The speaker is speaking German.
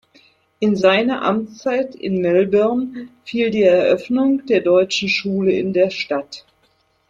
In seine Amtszeit in Melbourne fiel die Eröffnung der deutschen Schule in der Stadt.